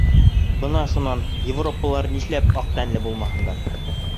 Бына шунан европалылар нишләп аҡ тәнле булмаһындар.